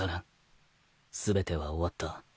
全ては終わった。